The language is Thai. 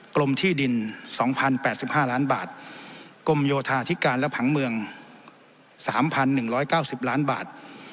กรมที่ดินสองพันแปดสิบห้าร้านบาทกรมโยธาธิการและผังเมืองสามพันหนึ่งร้อยเก้าสิบล้านบาท